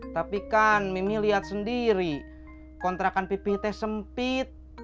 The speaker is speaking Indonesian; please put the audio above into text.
tapi kan mimih lihat sendiri kontrakan pipih teh sempit